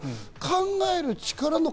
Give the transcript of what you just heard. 考える力は。